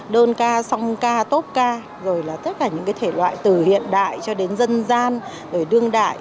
đơn ca song ca tốt ca rồi là tất cả những cái thể loại từ hiện đại cho đến dân gian rồi đương đại